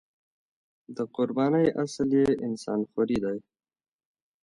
د قربانۍ اصل یې انسان خوري دی.